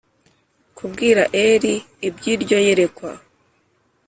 Kubwira eli iby iryo yerekwa